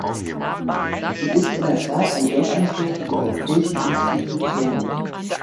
Sie ist in der Tat ein Denkanstoß für die Europäischen Institutionen.